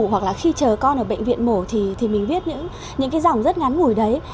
hoặc là khi chờ con ở bệnh viện mổ thì mình biết những cái dòng rất ngắn ngủi đấy